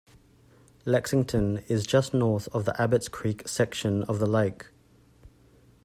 Lexington is just north of the Abbotts Creek section of the lake.